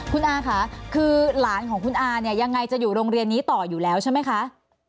คุณอาค่ะคือหลานของคุณอาเนี่ยยังไงจะอยู่โรงเรียนนี้ต่ออยู่แล้วใช่ไหมคะ